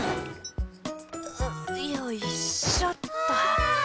よいしょっと！わ！